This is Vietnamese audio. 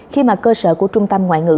khi mà cơ sở của trung tâm ngoại ngữ